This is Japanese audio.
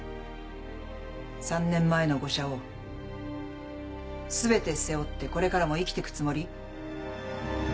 ３年前の誤射を全て背負ってこれからも生きてくつもり？